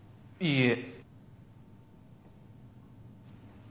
いいえ。